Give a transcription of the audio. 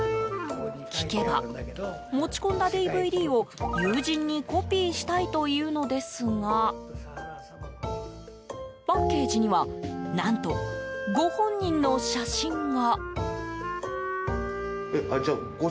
聞けば、持ち込んだＤＶＤを友人にコピーしたいというのですがパッケージには何とご本人の写真が。